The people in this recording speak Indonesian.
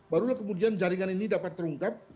barulah kemudian jaringan ini dapat terungkap